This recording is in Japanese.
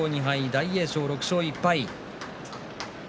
大栄翔、６勝１敗。